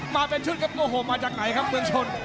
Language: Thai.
มาเป็นชุดครับโอ้โหมาจากไหนครับเมืองชน